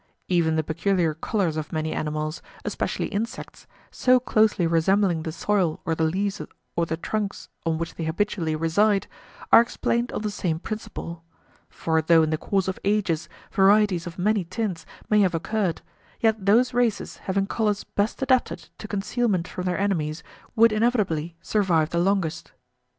Even the peculiar colours of many animals, especially insects, so closely resembling the soil or the leaves or the trunks on which they habitually reside, are explained on the same principle; for though in the course of ages varieties of many tints may have occurred, yet those races having colours best adapted to concealment from their enemies would inevitably survive the longest.